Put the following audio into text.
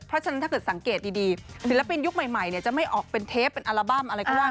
เพราะฉะนั้นถ้าเกิดสังเกตดีศิลปินยุคใหม่จะไม่ออกเป็นเทปเป็นอัลบั้มอะไรก็ว่า